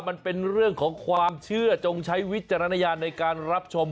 มันเป็นเรื่องของความเชื่อจงใช้วิจารณญาณในการรับชม